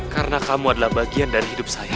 karena kamu adalah bagian dari hidup saya